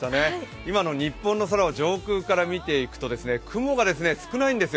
今の日本の空、上空から見ていくと雲が少ないんですよ。